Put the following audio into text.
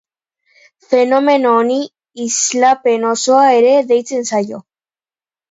Fenomeno honi islapen osoa ere deitzen zaio.